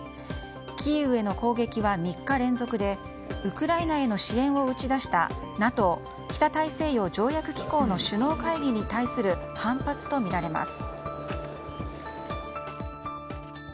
キーウへの攻撃は３日連続でウクライナへの支援を打ち出したＮＡＴＯ・北大西洋条約機構の首脳会議に対する反発とみられます。